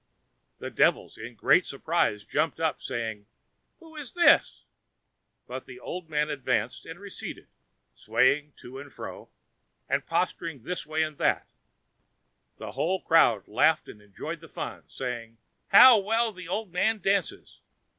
The devils in great surprise jumped up, saying, "Who is this?" but the old man advancing and receding, swaying to and fro, and posturing this way and that way, the whole crowd laughed and enjoyed the fun, saying: "How well the old man dances!